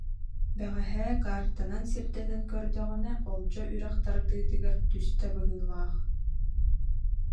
Бэҕэһээ картанан сирдэтэн көрдөҕүнэ Олдьо үрэх тардыытыгар түстэ быһыылаах